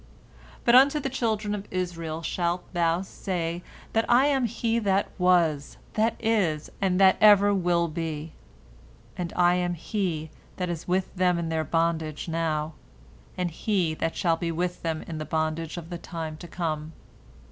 But unto the children of Israel shalt thou say that I am He that was, that is, and that ever will be, and I am He that is with them in their bondage now, and He that shall be with them in the bondage of the time to come."